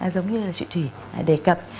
giống như là chị thủy đề cập